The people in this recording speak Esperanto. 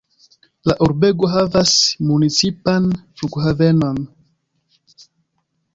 La urbego havas municipan flughavenon.